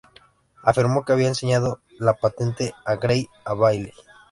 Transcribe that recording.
Afirmó que había enseñado la patente de Gray a Bailey.